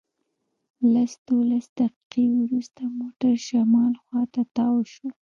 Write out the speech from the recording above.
لس دولس دقیقې وروسته موټر شمال خواته تاو شو.